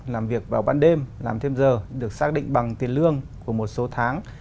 làm việc vào ban đêm làm thêm giờ được xác định bằng tiền lương của một số tháng